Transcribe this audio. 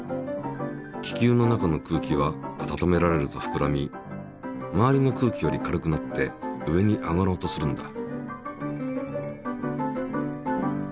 気球の中の空気は温められるとふくらみ周りの空気より軽くなって上に上がろうとするんだ。